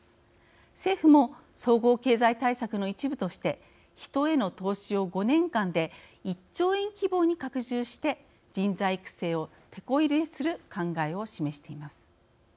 政府も、総合経済対策の一部として人への投資を５年間で１兆円規模に拡充して人材育成を、てこ入れする考えを示しています。